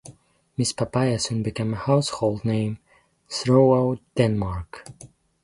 Miss Papaya soon became a household name throughout Denmark.